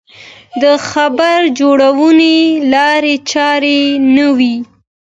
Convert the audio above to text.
د خبر جوړونې لارې چارې نه وې.